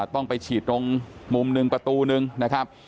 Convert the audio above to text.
ต้องไปฉีดตรงมุมหนึ่งประตูนึงนะครับ